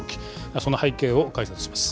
その背景を解説します。